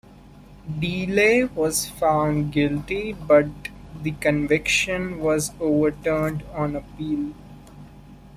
DeLay was found guilty, but the conviction was overturned on appeal.